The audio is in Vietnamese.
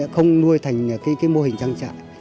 không nuôi thành cái mô hình trang trại